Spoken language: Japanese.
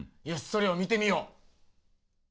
よしそれを見てみよう。